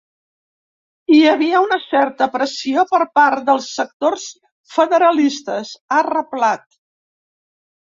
Hi havia una certa pressió per part dels sectors federalistes, ha reblat.